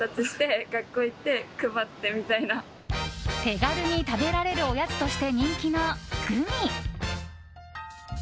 手軽に食べられるおやつとして人気のグミ。